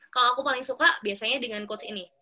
kalau aku paling suka biasanya dengan coach ini